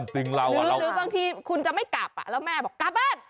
หรือบางทีคุณจะไม่กลับแล้วแม่บอกกลับบ้าน